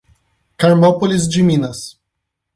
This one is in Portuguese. Carmópolis de Minas